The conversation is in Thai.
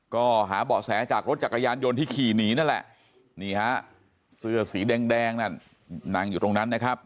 ก็หาเบาะแสจากรถจักรยานยนต์ที่ขี่หนีนั่นแหละนี่ฮะเสื้อสีแดงนั่นนั่งอยู่ตรงนั้นนะครับ